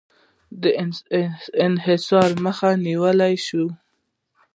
د انحصار مخه نیول شوې؟